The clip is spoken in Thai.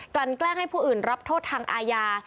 ลั่นแกล้งให้ผู้อื่นรับโทษทางอาญา